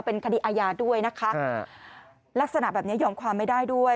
เป็นคดีอาญาด้วยนะคะลักษณะแบบนี้ยอมความไม่ได้ด้วย